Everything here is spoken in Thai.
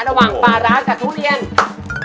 แต่ละหวังปลาร้ากับทุเรียน